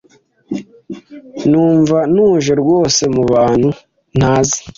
Numva ntuje rwose mubantu ntazi.